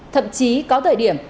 thậm chí có thời điểm